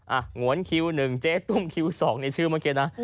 อ่ะหวนคิวหนึ่งเจ๊ตุ้มคิวสองในชื่อเมื่อกี้นะ